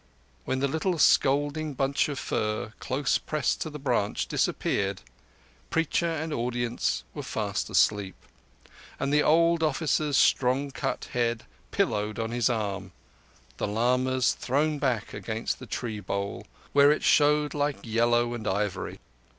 When the little scolding bunch of fur, close pressed to the branch, disappeared, preacher and audience were fast asleep, the old officer's strong cut head pillowed on his arm, the lama's thrown back against the tree bole, where it showed like yellow ivory.